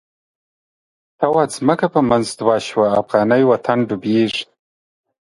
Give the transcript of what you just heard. ته واځمکه په منځ دوه شوه، افغانی وطن ډوبیږی